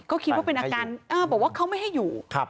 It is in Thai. ก็คิดว่าเป็นอาการบอกว่าเขาไม่ให้อยู่